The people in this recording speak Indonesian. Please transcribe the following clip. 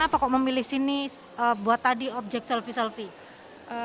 kenapa kok memilih sini buat tadi objek selfie selfie